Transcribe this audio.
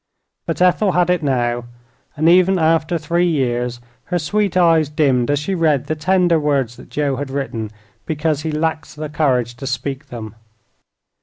But Ethel had it now, and even after three years her sweet eyes dimmed as she read the tender words that Joe had written because he lacked the courage to speak them.